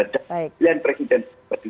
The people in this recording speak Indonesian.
data pilihan presiden dua ribu dua puluh empat